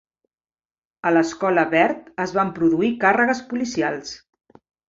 A l'Escola Verd es van produir càrregues policials.